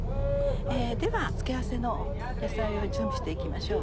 では付け合わせの野菜を準備して行きましょう。